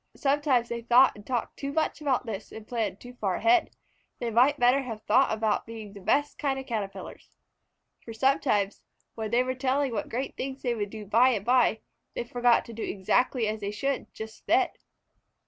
Sometimes they thought and talked too much about this, and planned too far ahead. They might better have thought more about being the best kind of Caterpillars. For sometimes, when they were telling what great things they would do by and by, they forgot to do exactly as they should just then.